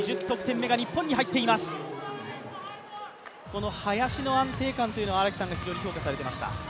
この林の安定感というのは荒木さんが非常に評価されていました。